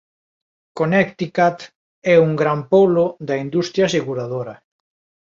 Connecticut é un gran polo da industria aseguradora.